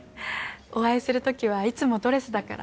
お会いするときはいつもドレスだから。